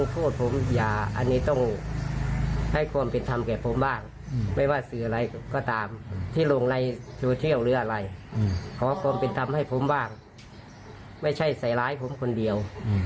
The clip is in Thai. ขอความเป็นธรรมให้ผมบ้างไม่ใช่ใส่ร้ายผมคนเดียว